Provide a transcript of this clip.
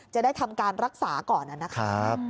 จะได้ทำการรักษาก่อนนะครับ